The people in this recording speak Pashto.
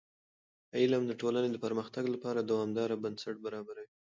علم د ټولنې د پرمختګ لپاره دوامداره بنسټ برابروي.